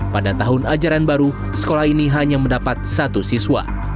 pada tahun ajaran baru sekolah ini hanya mendapat satu siswa